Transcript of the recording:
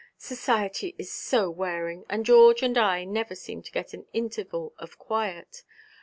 'Society is so wearing, and George and I never seem to get an interval of quiet.